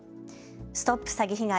ＳＴＯＰ詐欺被害！